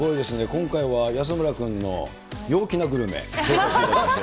今回は安村君の陽気なグルメ、紹介していただきました。